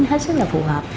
hết sức là phù hợp